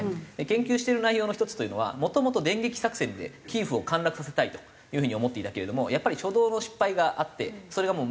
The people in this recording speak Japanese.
研究してる内容の１つというのはもともと電撃作戦でキーウを陥落させたいという風に思っていたけれどもやっぱり初動の失敗があってそれが難しくなってしまったと。